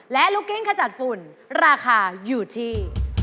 และลูกกิ้งขจัดฝุ่นราคาอยู่ที่